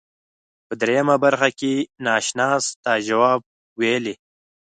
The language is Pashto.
په دریمه برخه کې ناشناس ته جواب ویلی.